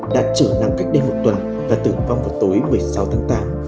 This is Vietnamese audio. đã trở nặng cách đây một tuần và tử vong vào tối một mươi sáu tháng tám